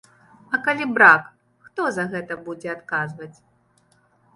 А калі брак, хто за гэта будзе адказваць?